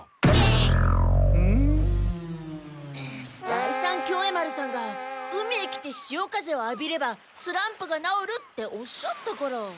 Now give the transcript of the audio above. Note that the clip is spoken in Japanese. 第三協栄丸さんが海へ来てしお風をあびればスランプがなおるっておっしゃったから。